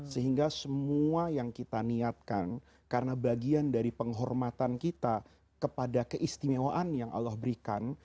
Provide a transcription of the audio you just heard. sehingga semua yang kita niatkan karena bagian dari penghormatan kita kepada keistimewaan yang allah berikan